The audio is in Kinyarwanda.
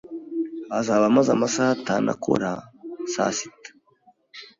Azaba amaze amasaha atanu akora saa sita